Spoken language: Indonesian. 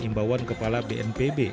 imbauan kepala bnpb